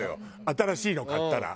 新しいのを買ったら。